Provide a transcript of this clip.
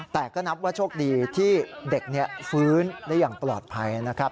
แต่ก็นับว่าโชคดีที่เด็กฟื้นได้อย่างปลอดภัยนะครับ